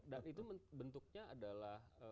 dan itu bentuknya adalah